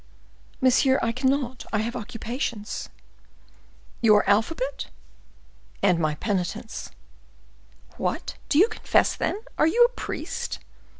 "Monsieur, I cannot; I have occupations." "Your alphabet?" "And my penitents." "What, do you confess, then? Are you a priest?"